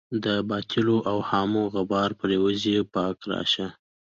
د باطلو اوهامو غبار پرېوځي پاکه راشه.